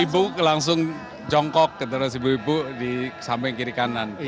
ibu ibu langsung jongkok ke atas ibu ibu sampai kiri kanan